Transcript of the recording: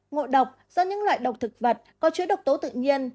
ngồi độc do những loại độc thực vật có chữ độc tố tự nhiên